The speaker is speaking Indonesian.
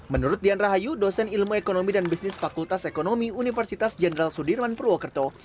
menurut dian rahayu dosen ilmu ekonomi dan bisnis fakultas ekonomi universitas jenderal sudirman purwokerto